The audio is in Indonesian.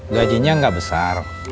gajinya nggak besar